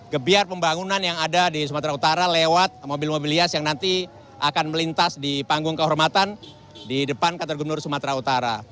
gebiar pembangunan yang ada di sumatera utara lewat mobil mobil hias yang nanti akan melintas di panggung kehormatan di depan kantor gubernur sumatera utara